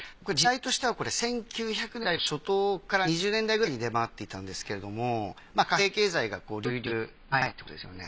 時代としては１９００年代の初頭から２０年代くらいに出回っていたんですけれども貨幣経済が隆々する前ってことですよね。